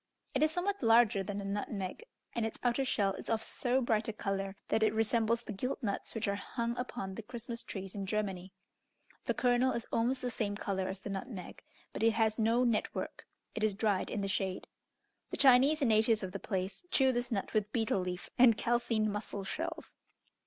It is somewhat larger than a nutmeg, and its outer shell is of so bright a colour, that it resembles the gilt nuts which are hung upon the Christmas trees in Germany. The kernel is almost the same colour as the nutmeg, but it has no net work: it is dried in the shade. The Chinese and natives of the place chew this nut with betel leaf and calcined mussel shells.